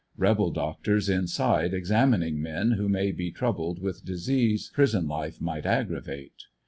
Rebel doctors inside examining men who may be troub led with disease prison life might aggravate.